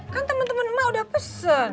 kan temen temen mak udah pesen